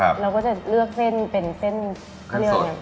เราก็จะเลือกเส้นเป็นเส้นสด